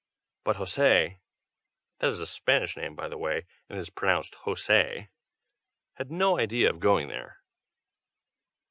But José (that is a Spanish name, by the way, and is pronounced Hosay,) had no idea of going there.